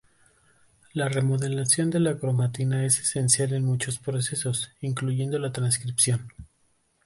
La remodelación de la cromatina es esencial en muchos procesos, incluyendo la transcripción.